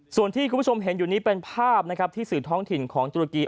ส่วนที่คุณผู้ชมเห็นอยู่นี้เป็นภาพนะครับที่สื่อท้องถิ่นของตุรกี